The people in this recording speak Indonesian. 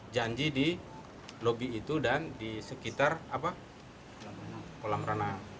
janji di lobi itu dan di sekitar kolam ranah